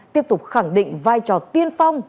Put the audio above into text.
tiếp tục khẳng định vai trò tiên phong